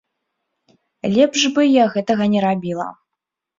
Лепш бы я гэтага не рабіла.